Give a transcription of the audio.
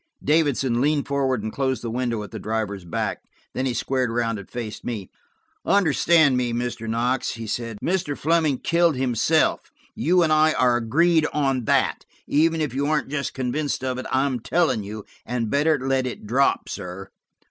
Davidson leaned forward and closed the window at the driver's back. Then he squared around and faced me. "Understand me, Mr. Knox," he said, "Mr. Fleming killed himself. You and I are agreed on that. Even if you aren't just convinced of it I'm telling you, and–better let it drop, sir."